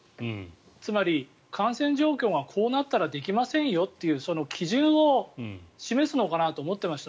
つまり、感染状況がこうなったらできませんよという基準を示すのかなと思っていました。